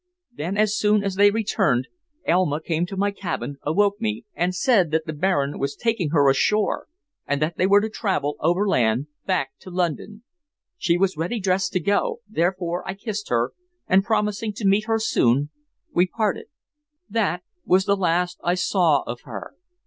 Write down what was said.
Then, as soon as they returned, Elma came to my cabin, awoke me, and said that the Baron was taking her ashore, and that they were to travel overland back to London. She was ready dressed to go, therefore I kissed her, and promising to meet her soon, we parted. That was the last I saw of her.